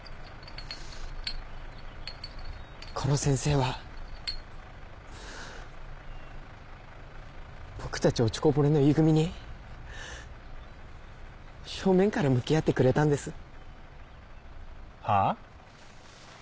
殺せんせーは僕たち落ちこぼれのＥ組に正面から向き合ってくれたんですはあ？